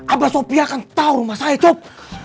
abang sopi akan tahu rumah saya cob